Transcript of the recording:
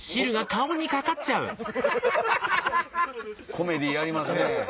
コメディーやりますね。